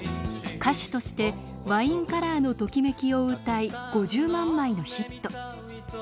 歌手として「ワインカラーのときめき」を歌い５０万枚のヒット。